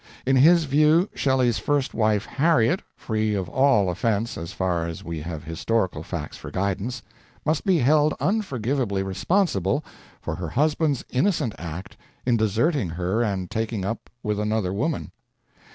In his view Shelley's first wife, Harriet, free of all offense as far as we have historical facts for guidance, must be held unforgivably responsible for her husband's innocent act in deserting her and taking up with another woman.